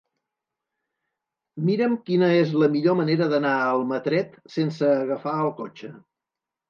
Mira'm quina és la millor manera d'anar a Almatret sense agafar el cotxe.